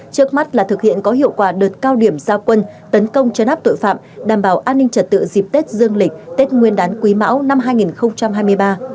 trước mắt là thực hiện có hiệu quả đợt cao điểm giao quân tấn công chấn áp tội phạm đảm bảo an ninh trật tự dịp tết dương lịch tết nguyên đán quý mão năm hai nghìn hai mươi ba